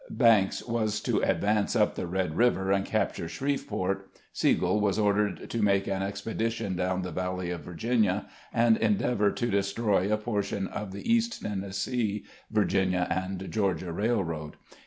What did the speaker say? Banks was to advance up the Red River and capture Shreveport. Sigel was ordered to make an expedition down the val ley of Virginia, and endeavor to destroy a portion of the East Tennessee, Virginia, and Greorgia Railroad.